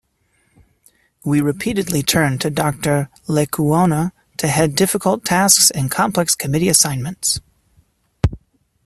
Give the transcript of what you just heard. We repeatedly turned to Dr. Lecuona to head difficult tasks and complex committee assignments.